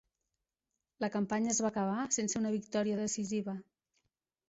La campanya es va acabar sense una victòria decisiva.